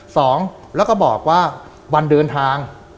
สองแล้วก็บอกว่าวันเดินทาง